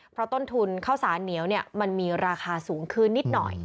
เพราะต้นทุนข้าวสารเหนียวมันมีราคาสูงขึ้นนิดหน่อย